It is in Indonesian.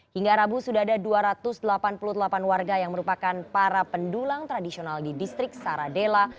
hingga rabu sudah ada dua ratus delapan puluh delapan warga yang merupakan para pendulang tradisional di distrik saradela